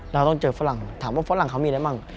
เราต้องเจอฝรั่งถามว่าฝรั่งเค้ามีอะไรบ้าง